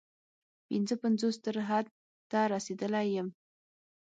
پنځه پنځوس تر حد ته رسېدلی یم.